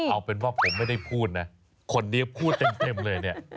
เอาเป็นว่าผมไม่ได้พูดนะคนนี้พูดเต็มเลยเนี่ย